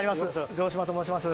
城島と申します。